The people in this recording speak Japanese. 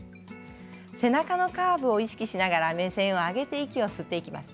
背中のカーブを意識しながら目線を上げていきます。